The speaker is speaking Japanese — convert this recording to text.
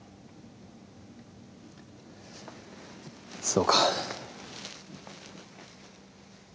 そうか。